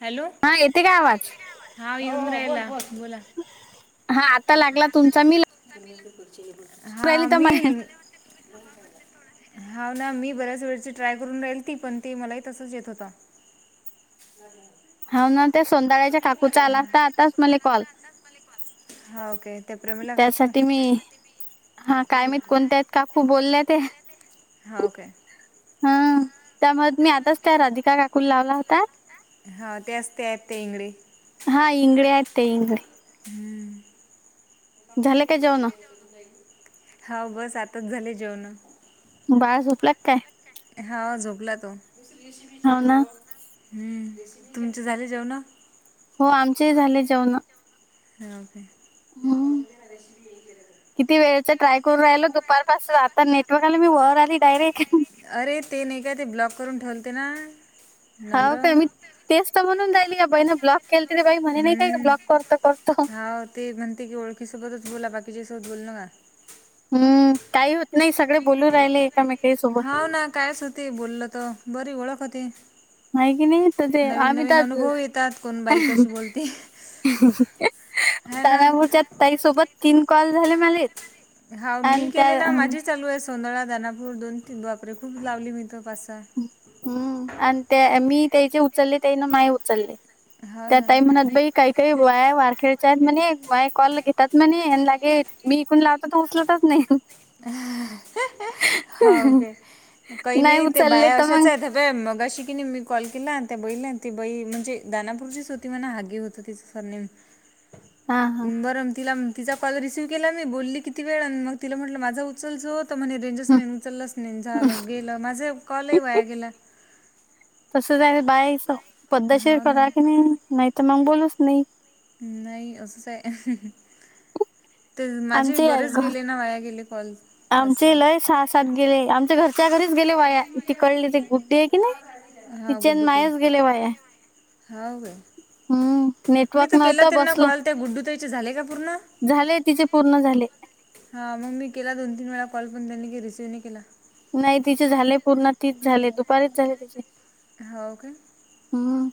Hello! हा, येते काय आवाज. हा. येऊन राहिला बोला. हा आता लागला तुमचा मी लागून [unintelligible] हा राहिली तर मग मिलं हाव ना, मी बराच वेळची ट्राय करून राहिली होती. पण, ती मलाही तसंच येत होता. [inaudible] हाव ना, त्या सौंदाळ्याच्या काकू चा आला होता आत्ताच मले कॉल. दस मले कॉल. हाव काय? त्यासाठी मी. हा काय? माहिती कोणत्या? काकू बोलल्या त्या. हाव.. काय? हं.. मुळेच. मी आताच, त्या राधिका काकूला लावला होता. हा त्याच ते आहेत ते इंगळे हा. इंगळे आहेत ते इंगळे. हम्म.. झाले का जेवण हाव बस, आत्ताच झाले जेवण. बाळ झोपला का? काय? हा. झोपला तो हो ना हम्म. तुमचे झाले जेवणं. हो. आमचे ही झाले जेवणं. हमं. हमं. किती वेळचा ट्राय करून राहिलो. दुपारपासन आता नेटवर्क आला मी वर आली डायरेक्ट. अरे! ते नाही का? ते ब्लॉक करून ठेवले ते ना. हाव नम्र काय? मी तेच तर म्हणून राहिली. या बाई न ब्लॉक केलं तरी, ही बाई म्हणे नाही काय? ब्लॉक करतो, करतो.. हा ते म्हणते की, ओळखीच्या सोबतच बोला, बाकीच्या सोबत बोलू नका. हम्म. काही होत नाही. सगळे बोलू राहिले. [unintelligible] हाव ना काय? सुती बोललं तर, बरी ओळख होती. आहे की नाही तर ते नवीन आम्ही नवीन तर अनुभव येतात, कोण बाई कशी बोलते. हाय ना तानापूरच्या, ताईसोबत तीन कॉल झाले माले. हा. मी केले ना माझी चालू आहे. सोंदळा, दानापूर दोन तीन बापरे! खूप लावली मी तो पासा [unintelligible] हुंम अन त्या मी त्याचे उचलले त्यानं माझे उचलले. हाव त्या ना. ताई. म्हणत बाई काही. हे वाया वारखेडच्या हायेत म्हणे, माये कॉल घेतात म्हणे, पण लागे मी इथून लावते तर उचलतच नाही. हावू काय? काही नाही ते उचलले बाया तर अशाच मग आहेत. मगाशी की नाही मी कॉल केला अन, त्या बाईला अंती बाई म्हणजे, दानापुरचीच होती नाही का हा दे होती. तर, तिचं सरनेम. हा हा बरं तिला तिचा कॉल रिसीव्ह केला. मी बोलली किती वेळ आणि मग तिला म्हटलं माझं. चलच होत म्हणे रेंजस हं नाहीे, उचललंच नाही झालं गेलं माझं कॉल ही वाया गेला. तसंच, हाय बाईच पद्धतशीर हो ना करायचे नाही. नाहीतर मग बोलूच नये. नाही, असंच आहे ते माझे आमचे बरेच घ गेले ना, वाया गेले. पण, आमचे लय सहा सात गेले आमचे घर तिच्या घरीच गेले वाया. तिकडले ते गुड्डी आहे कणी तिचे आणि मायाच गेले वाया. हो का, हम्म मी नेटवर्क तर केला नव्हतं त्यांना बसलो कॉल त्या गुड्डुताईचे झाले का पूर्ण. झाले तिचे पूर्ण झाले. हा मग मी केला दोन तीन वेळा कॉल पण, त्यांनी रिसीव्ह नाही केला. नाही तिचे झाले पूर्ण तीस झाले, दुपारीच झाले तिचे. होव का, हम्म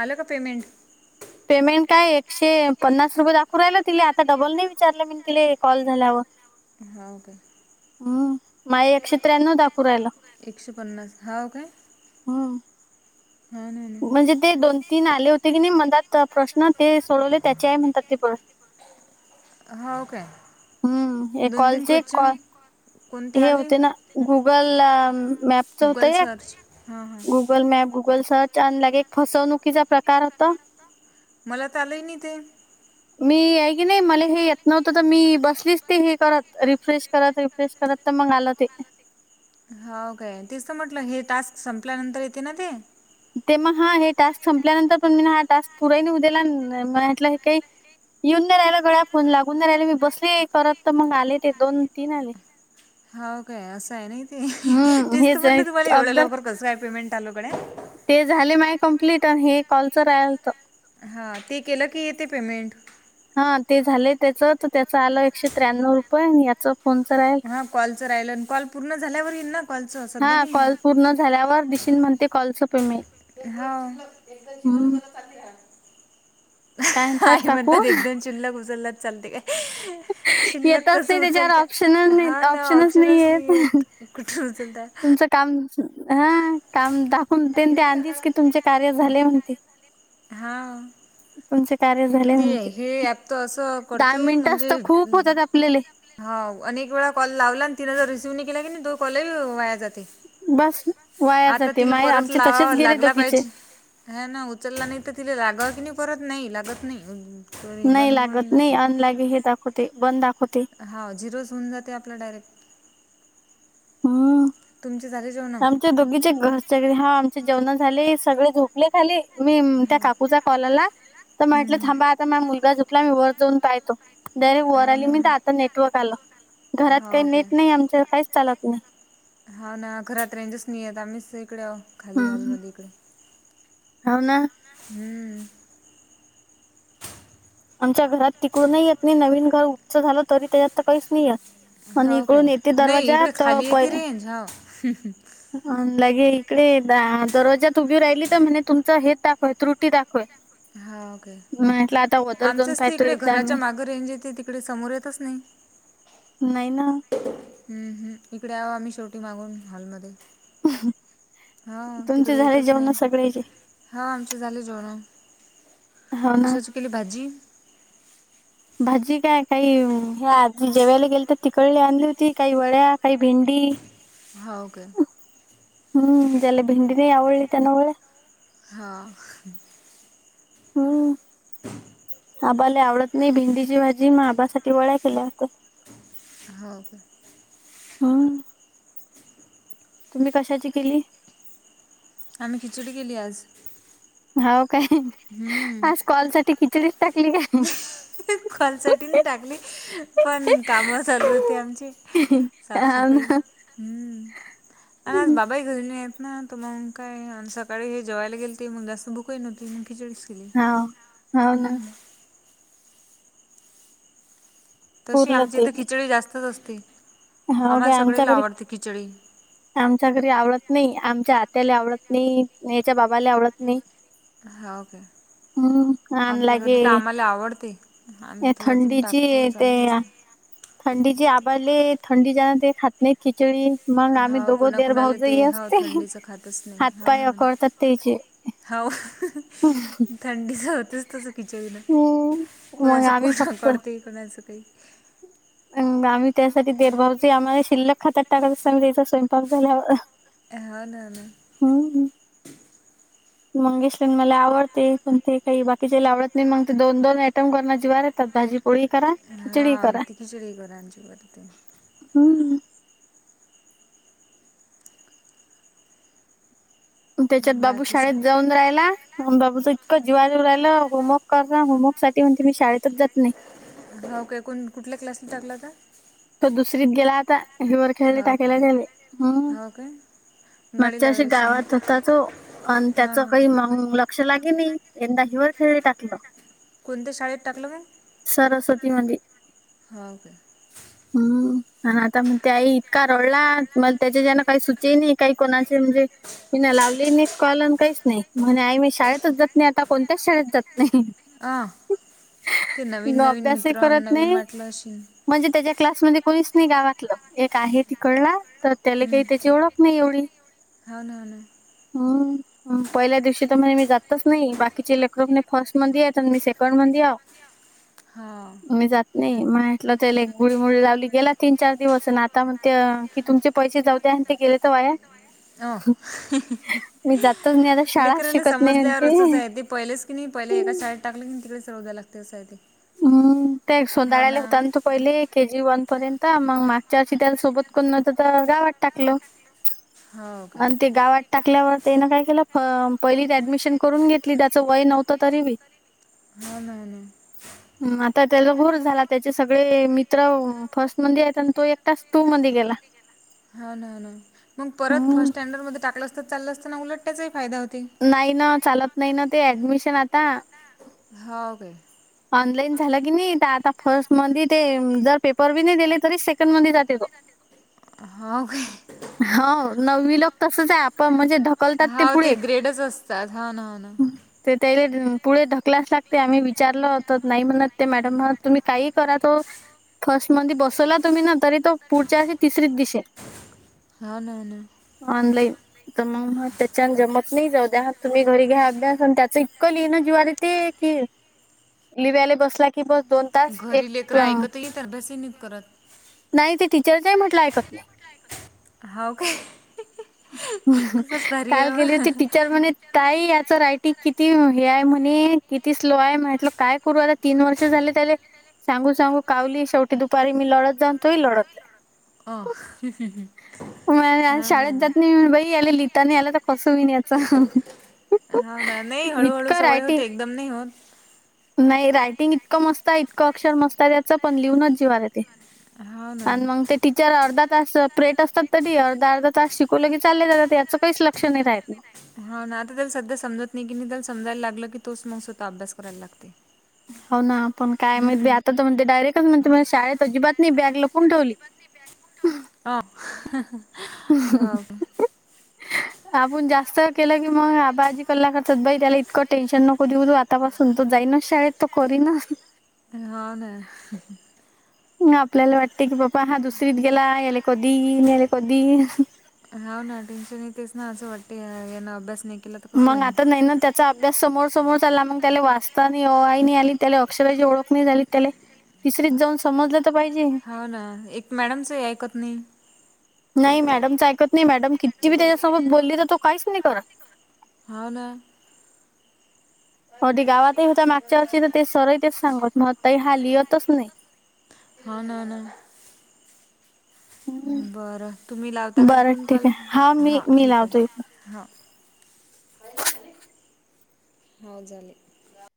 आलं का पेमेंट. पेमेंट काय एकशे पन्नास रुपये दाखवू राहिल, तिला आता डबल नाही विचारलं मी तिला कॉल झाल्यावर. हाव काय. हम्म माय एकशे त्र्याण्णव दाखवू राहिलं एकशे पन्नास हाव काय. हम्म हा ना ना म्हणजे ते दोन तीन आले होते की नाही, मनात प्रश्न ते सोडवले त्याचे हाय म्हणतात ते. होव काय, हम्म हे दोन तीन कॉलचे कॉल क्वेश्चन. कोणते हे आले होते ना, गुगल मॅपच होत गुगल या. सर्च हां हां गुगल मॅप गुगल सर्च आणि लगे, एक फसवणुकीचा प्रकार होता. मला तर आलंय नाही ते, मी आहे की नाही मला हे येत नव्हतं तर, मी बसलीच ते हे करत रिफ्रेश करत रिफ्रेश करत. मंग आले ते, हावं काय तेच तर म्हटलं हे, टास्क संपल्यानंतर येते ना ते. ते मग हा हे टास्क संपल्यानंतर पण मी, हा टास्क पुरे होवू दिला आणि माझ्यातल हे काही. येऊन नाही राहायले गळ्या फोन लागून नाही राहिले, मी बसले करत तर मग आले ते दोन तीन आले. होव काय असं आहे ना ते, हम्म तेच तर हेच म्हटलं तुम्हाला एवढ्या अगदर लवकर कसं काय पेमेंट आलं गड्या. ते झाले माय कप्लीट, आणि हे कॉलच राहालत. हा ते केलं की, येते पेमेंट. हा ते झाले त्याचं तर त्याच आलं एकशे त्र्याण्णव रुपये आणि याचा फोन तर राहे. हा कॉल च राहिलं, आणि कॉल पूर्ण झाल्यावर येईल ना. कॉलचं सध्या हा नाही कॉल येत. पूर्ण झाल्यावर दिशील, म्हणते कॉलचं पेमेंट. हाव, हम्म काय म्हणतात काकू [unintelligible] जिल्हा गुजला चालते काय? शिल्लक येतच नाही कसं त्याच्यावर उचलता ऑप्शनच नाही हा ना, नाही ऑप्शनच येत नाहीय कुठ उचलताय. तुमचं काम हा काम दाखवून ते, ते आधीच की तुमचे कार्य झाले म्हणते. हां. तुमचं कार्य झालं. ते हे ऍप तर असं करतेय मिनिटच तर म्हणजे, खूप होतात आपल्याले हा हो अनेक वेळा कॉल लावला, आणि तिन जर रिसीव्ह नाही केला की, तो कॉल ही वाया जाते. बस वाया आता जाते तिला माय परत आमचे तसेच लावा गेले लागला दोघीचे पाहिजे. हा ना उचलला नाही तर, तिला लागत नाही परत नाही लागत नाही. तो हे नाही बंद पडून लागत नाही. जाते अनलागे हे दाखवते बन दाखवते. हावं झिरोज होन जाते आपला डायरेक्ट. हम्. तुझ झाले जेवण. दोघीचे घरचं हा, आमचे जेवण झाले सगळे झोपले खाली. मी त्या हम्म. काकूचा कॉलला, तर म्हटलं थांबा आता माझा मुलगा झुपला मी वर जाऊन पाहतो. डारेक्ट वर हो ना आली मी तर ना. आता नेटवर्क आलं, घरात हो काही नेट नाही आमचं काहीच चालत नाही. हा ना, घरात रेंजच नाही येत आम्हीच इकडे आहो, खाली हॉलमध्ये इकडे. होव ना. हम्म. आमच्या घरात तिकडून नाही येत नाही, नवीन घर उच्च झालं तरी त्याच्यात काहीच नाही ये. होव काय नाही इकडे खाली येती रेंज हो. अ लगे इकडे दरवाज्यात उभी राहिली, तर म्हणे तुमचं हेच दाखवय त्रुटी दाखवय. हाव काय म्हटलं आता वदर जाऊन आमचंच पाहतो तिइकडे, एकदा घराच्या मी मागं रेंजेते तिकडे समोर येतच नाही. नाही ना. हम्म हम्म, इकडे हाव आम्ही शेवटी मागून हॉलमध्ये. हो तुमचे झाले जेवण सगळ्याचे. हा आमचे झाले जेवण, हो ना कशाची केली भाजी. भाजी काय काही हे आधी जेवायला गेले तर तिकळली आणली होती. काही वड्या काही भेंडी. हो काय. हम्म त्याला भिंडी नाही आवळी ते नवळे. ह.. हम्म. [inaudible] आबाला आवडत नाही भिंडीची भाजी मग, आबासाठी वड्या केल्या होत्या. हो का. हम. तुम्ही कशाची केली. आम्ही खिचडी केली आज. हाव काय हम्म आज कॉल साठी, खिचडीत टाकली काय. कॉल साठी नी टाकली, पण काम चालू होती आमची. साफ हाव सफाई ना हम्म, आज बाबा. हेनी आहेत ना तर मग काय, सकाळी हे जेवायला गेल ते मग जास्त भुकही नव्हती मग खिचडीच. केली हा होना. हम्म तशी पुरलं आमच्या ते इथे बी. खिचडी जास्तच असते, हाव आम्हाला काय आमच्या सगळेला घरी आवडते खिचडी. आमच्या घरी आवडत नाही. आमच्या आत्याला आवडत नाही याच्या बाबाला आवडत नाही. हांव काय. हम्म आणि आमच्या लागे घरी तर आम्हाला आवडते, आम्ही या तर अजून थंडीची टाकतो ते चालूच असते. थंडीची आबाले थंडी जण ते खात. नाही खिचडी मग आम्ही हो दोघो देर भाऊ कोणाकोणाला ते जही हो असते. थंडीचं खातच नाही हो हातपाय ना अकडतात. तेचे. हो थंडीच होतेच तस. कचही ना हम्म मग कोणाचं आम्ही पूर्ण फक्त करते कोणाचं काही. अ आम्ही त्यासाठी दडभार आम्हाला, शिल्लक खातात टाकत अस त्याचा स्वयंपाक झाल्या. ह ना ना. मंगेशलान मला आवडते कोण ते काही बाकीच्याला आवडत नाही, मग ते दोन दोन आयटम करायला जिवार येतात भाजी. पोळी करा. हा खिचडी करा ते खीचिडीकराची वरती. हम्. त्याच्यात बाबू बाकीचं शाळेत जाऊन राहिला. बाब तू इतक जीववर राहिल, होमवर्क करा होमवर्क साठी म्हणती मी शाळेतच जात नाही. हो का कोण कुठल्या क्लासला टाकला आता. तो दुसरीत गेला आता, वर खाली हो टाकले काय त्याले हम्म. हो काय गाडी मागच्या वर्षी लावायला असून गावात होता तो, आणि हां त्याचा हां काही [unintelligible] औंध लागे नाही यंदा हि वर खेळले टाकलं. कोणत्या शाळेत टाकलं काय. सरस्वती मध्ये. हो काय. हम्म. ह आता मग त्यावेळी इतका रडला मग त्याच्या ज्यांना काही सुचे नाही काही कोणाचे म्हणजे मी ना लावली न कॉलन काहीच नाही म्हणे आई मी शाळेतच जात नाही आता कोणत्याच शाळेत जात आ ते नवीन नवीन अभ्यासही मित्र करत नवीन नाही. वाटलं असेल म्हणजे त्याच्या क्लासमध्ये कोणीच नाही, गावातलं एक आहे तिकडला. तर त्याला काही त्याची, ओळख नाही एवढी. हा ना ना. हम्म. पहिल्या दिवशी तर म्हणे मी जातच नाही बाकीचे लेकर म्हणे फर्ट मध्ये मी सेकंड मध्ये हौ. हा. मी जात नाही म्हटलं त्याला एक गुळी मुडी लावली गेला तीन चार दिवस अन आता मग ते कि तुमचे पैसे जाऊ द्या आणि ते गेले तर वाया. अ हं हं हं. मी जातच नाही आता शाळा लेकरला शिकत नाही समजल्यावर असच म्हणते आहे ते पहिलेच की नाही पहिले एका टाकल कि तिकडे चळव्याला लागते असंय ते. हम्म त्या एक हो सोनाळ्याला ना. होता आणि त पहिले के जी वन पर्यंत मग मागच्या अशी त्याला सोबत कर न्हत तर गावात टाकलं. हो काय. आणि ते गावात टाकल्यावर त्यान काय केलं प पहिलीच ऍडमिशन करून घेतली त्याचं वय नव्हतं तरी बी. हा ना न. आता त्याला घोर झाला त्याचे सगळे मित्र फर्स्ट मध्ये आहेत आणि तो एक तस तू मध्ये गेला. हा ना ना मग परत फर्ट हम्म. स्टँडर्ड मध्ये टाकलं असत चाललं असताना उलट त्याचाही फायदा होती. नाही ना चालत नाही ना ते ऍडमिशन आता. हो काय? ऑनलाईन झाला की नाही आता फर्स्ट मधै ते जर पेपर बी नाही दिले तरी सेकंड मध्ये जाते तो. हो का? हो नववी ला तसच आहे आपण म्हणजे ढकलतात हा ते पुढे ग्रेडच असतात हो ना हो ना. ते त्या पुढे ढकलत लागते आम्ही विचारलं होत नाही म्हणत ते मॅडम म्हण तुम्ही काही करा तो फर्स्ट मधे बसवला तुम्ही ना तरी तो पुढच्या अे तिसरीत दिसेल. हा ना ना. ऑनलाईन. तर मग त्याच्या जमत नाही जाऊ द्या तुम्ही घरी घ्या अभ्यास आणि त्याचं इकं लिणं जीवारी ते कि लिव्याला बसला की बस दोन तास घरी लेकर एक ऐकत येत अभ्यास नाहीत करत. नाही ते टीचरच म्हटलं ऐकत नाही. हो काय? खूपच भारी काल आहे मग. गेली होती ताई टीचर म्हणे ताई याच रायटिंग किती हे आहे म्हणे किती स्लो आहे म्हटलं काय करू आता तीन वर्ष झाले त्याले सांगू सांगू कावली शेवटी दुपारी मी लढत जाऊन तोही लढत हो हं हं हं. म शाळेत जात नाही बाई याला लिहिता नाही आलं तर कसं होईल नाही याच हो ना नाही हळूहळू सवय होते एकदम नाही होत. नाही रायटिंग इतकं मस्त आहे इतकं अक्षर मस्त आहे त्याचं पण लिहूनच जीवाला आहे ते. हाव ना आणि मग ते टी [unintelligible] चर अर्धा तास प्रेट असतात तरी अर्धा अर्धा तास शिकवलं की चालले जातात याचं काहीच लक्ष नाही राहत मग. हा ना आता त्याला सध्या समजत नाही की नाही त्याला समजायला लागलं की तोच मग स्वःत अभ्यास करायला लागते. हो ना पण काय माहित बाई हम्म. आता तर म्हणते डायरेक्टच म्हणते शाळेत अजिबात नाही बॅग लपून ठेवली. हा हं हं. अ हं हं हं हं. [unintelligible] [inaudible] आपण जास्त केलं की मग आबाजी कला करतात बाई त्याला इतकं टेन्शन नको देऊ त. [unintelligible] आतापासून तो जाईना शाळेत तो कोरीना हा ना. आपल्याला वाटते की बाबा हा दुसरीत गेला आहे. आले कधी नेले कधी? हाव ना टेन्शन येतेच ना असं वाटतंय, यानं अभ्यास नाही केला तर कसं मग होईल आता नाही ना त्यात चा अभ्यास समोर समोर चालला, मग त्याला वाचता नाही ओ आई नाही आली. त्याला अक्षराची ओळख नाही झाली. त्याले तिसरीत जाऊन समजलं तर पाहिजे. हो ना, एक मॅडमचंही ऐकत नाही. नाही मॅडमच ऐकत नाही, मॅडम कितीबी त्याच्यासोबत बोलली, तर तो काहीच नाही करत. हाव ना. अदी गावातही होता मागच्या ववरची तर ते सरही तेच सांगत मग तही हा लिहतच नाही [unintelligible] हा ना ना. बरं तुम्ही लावता का बरं तिकडून ठीक कॉल? आहे हा मी हां, मी ठीक आहे लावतो एक हां. हाव झाले.